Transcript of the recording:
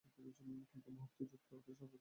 কিন্তু ভক্তিযোগ অতি স্বাভাবিক ও মধুর।